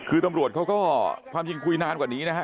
คือตำรวจเขาก็ความจริงคุยนานกว่านี้นะฮะ